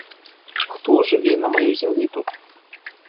Хто жыве на маёй зямлі тут?